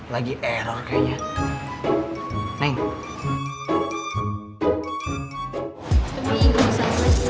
lagi error kayaknya